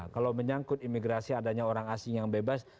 kalau menyangkut imigrasi adanya orang asing yang bebas